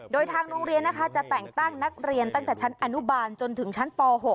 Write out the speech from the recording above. โดยทางโรงเรียนนะคะจะแต่งตั้งนักเรียนตั้งแต่ชั้นอนุบาลจนถึงชั้นป๖